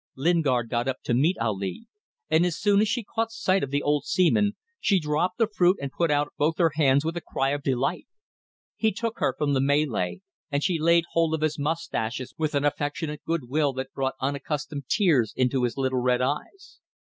Lingard got up to meet Ali, and as soon as she caught sight of the old seaman she dropped the fruit and put out both her hands with a cry of delight. He took her from the Malay, and she laid hold of his moustaches with an affectionate goodwill that brought unaccustomed tears into his little red eyes.